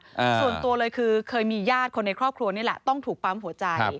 ส่วนตัวเลยคือเคยมีญาติคนในครอบครัวนี่แหละต้องถูกปั๊มหัวใจ